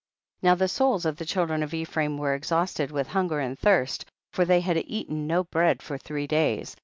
14. Now the souls of the children of Ephraim were exhausted with hunger and thirst, for they had eaten no bread for three days.